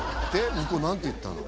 向こう何て言ったの？